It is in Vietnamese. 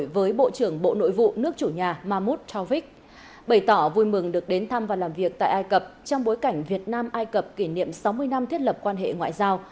với bộ trưởng bộ nội vụ nước chủ nhà mahmoud tawvick bày tỏ vui mừng được đến thăm và làm việc tại ai cập trong bối cảnh việt nam ai cập kỷ niệm sáu mươi năm thiết lập quan hệ ngoại giao